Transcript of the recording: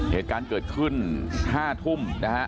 เหตุการณ์เกิดขึ้น๕ทุ่มนะฮะ